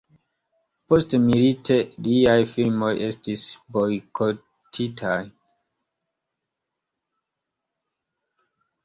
Postmilite liaj filmoj estis bojkotitaj.